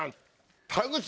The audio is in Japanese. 田口！